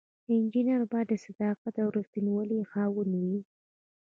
انجینر باید د صداقت او ریښتینولی خاوند وي.